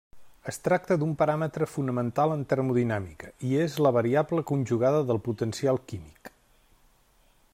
Es tracta d'un paràmetre fonamental en termodinàmica, i és la variable conjugada del potencial químic.